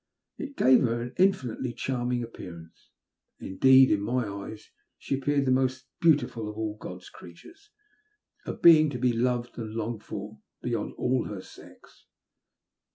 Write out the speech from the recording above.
It gave her mi infinitely charming appearance; indeed, in my eyes, she appeared the most beautiful of all Ood's creatures — a being to be loved and longed for beyond all her sex.